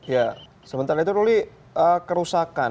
ya sementara itu ruli kerusakan